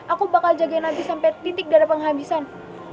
aku bakal jagain nanti sampai titik darah penghabisan